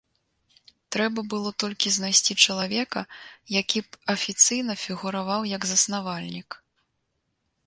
Трэба было толькі знайсці чалавека, які б афіцыйна фігураваў як заснавальнік.